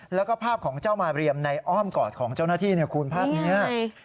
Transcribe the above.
แล้วก็ภาพของเจ้ามาเรียมในอ้อมกอดของเจ้าหน้าที่คุณภาพนี้